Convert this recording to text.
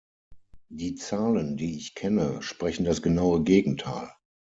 Die Zahlen, die ich kenne, sprechen das genaue Gegenteil.